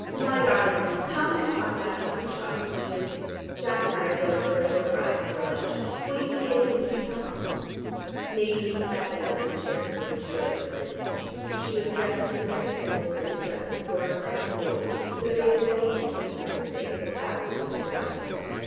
My darling, come and talk matrimony shop to Edith, Jack and I are going for a short ride before lunch. Will you be in when Hugh comes?" Nadine sat down in the chair from which Dodo had risen. She was dressed in a very simple linen dress of cornflower blue, that made the whites and pinks of her face look absolutely dazzling.